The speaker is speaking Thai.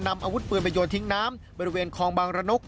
อาวุธปืนไปโยนทิ้งน้ำบริเวณคลองบางระนก